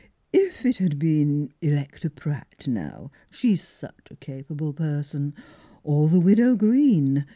If it had been Electa Pratt, now, — she's such a capable person — or the Widow Green.